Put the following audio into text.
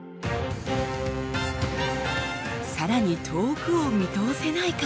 さらに遠くを見通せないか？